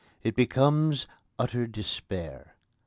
It becomes utter despair.